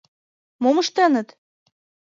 — Мом ыштеныт?